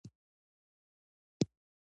علم د نسلونو ترمنځ فاصله کموي.